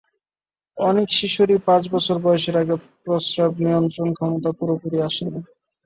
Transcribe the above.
অনেক শিশুরই পাঁচ বছর বয়সের আগে প্রস্রাব নিয়ন্ত্রণ ক্ষমতা পুরোপুরি আসে না।